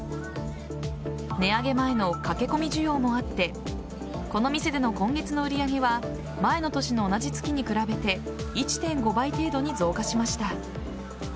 値上げ前の駆け込み需要もあってこの店での今月の売り上げは前の年の同じ月に比べて１．５倍程度に増加しました。